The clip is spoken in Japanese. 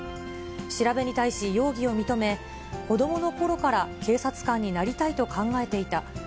調べに対し、容疑を認め、子どものころから警察官になりたいと考えていた。